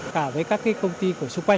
cả với các công ty của xung quanh